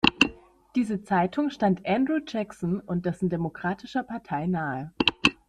Diese Zeitung stand Andrew Jackson und dessen Demokratischer Partei nahe.